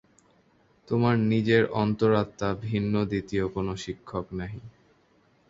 তোমার নিজের অন্তরাত্মা ভিন্ন দ্বিতীয় কোন শিক্ষক নাই।